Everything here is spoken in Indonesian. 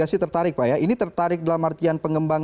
dan keempat adalah tanjung lesung